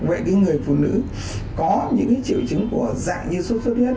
vậy thì người phụ nữ có những triệu chứng của dạng như sâu suất điết